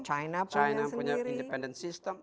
china punya independen sistem